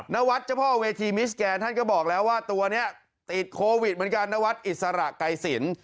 นวัดเจ้าพ่อเวทีมิสแกนท่านก็บอกแล้วว่าตัวนี้ติดโควิดเหมือนกันนวัดอิสระไกรสิน